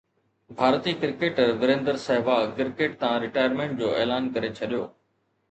ڀارتي cricketer Virender Sehwag cricket تان retirement جو اعلان ڪري ڇڏيو